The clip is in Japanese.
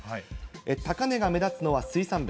高値が目立つのは水産物。